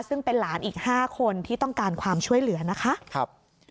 ซึ่งเป็นหลานอีก๕คนที่ต้องการความช่วยเหลือนะคะ